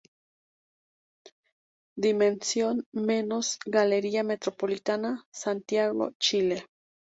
Dimensión Menos, Galería Metropolitana, Santiago, Chile.